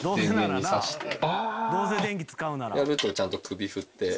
やるとちゃんと首振って。